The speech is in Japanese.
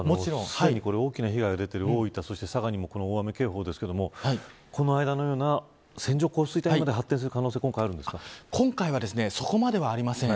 すでに大きな被害が出ている大分、佐賀にも大雨警報ですけど線状降水帯まで発展する可能性は今回はそこまでではありません。